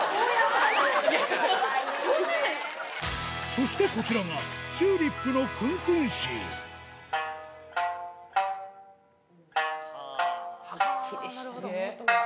そしてこちらが『チューリップ』の工工四はっきりしてるね音が。